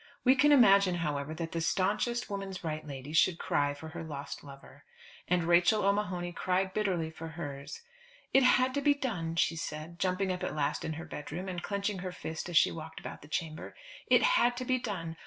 We can imagine, however, that the stanchest woman's right lady should cry for her lost lover. And Rachel O'Mahony cried bitterly for hers. "It had to be done," she said, jumping up at last in her bedroom, and clenching her fist as she walked about the chamber. "It had to be done.